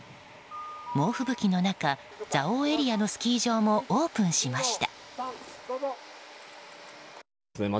猛吹雪の中蔵王エリアのスキー場もオープンしました。